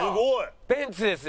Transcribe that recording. ベンツです。